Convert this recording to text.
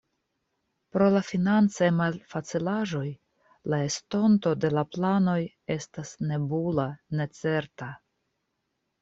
Pro la financaj malfacilaĵoj, la estonto de la planoj estas nebula, necerta.